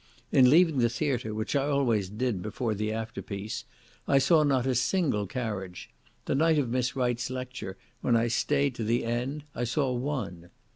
In leaving the theatre, which I always did before the afterpiece, I saw not a single carriage; the night of Miss Wright's lecture, when I stayed to the end, I saw one.